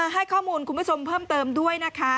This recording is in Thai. ให้ข้อมูลคุณผู้ชมเพิ่มเติมด้วยนะคะ